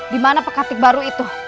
dimana pekatik baru itu